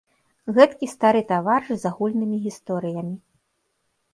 Гэткі стары таварыш з агульнымі гісторыямі.